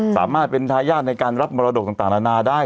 สามารถเป็นทายาทในการรับมรดกต่างนานาได้